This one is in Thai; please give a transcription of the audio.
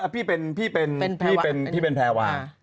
พี่เป็นแพรวา